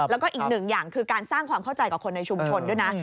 แล้วก็อีกหนึ่งอย่างคือการสร้างความเข้าใจกับคนในชุมชนด้วยนะ